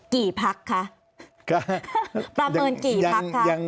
พักคะประเมินกี่พักคะ